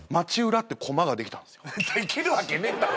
できるわけねえだろ！